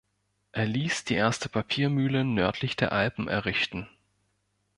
Er ließ die erste Papiermühle nördlich der Alpen errichten.